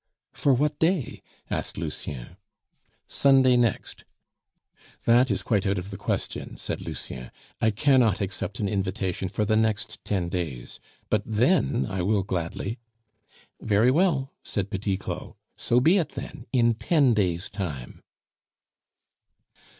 "For what day?" asked Lucien. "Sunday next." "That is quite out of the question," said Lucien. "I cannot accept an invitation for the next ten days, but then I will gladly " "Very well," said Petit Claud, "so be it then, in ten days' time."